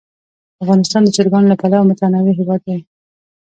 افغانستان د چرګانو له پلوه متنوع هېواد دی.